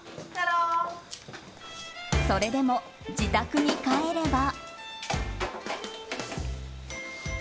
それでも自宅に帰れば。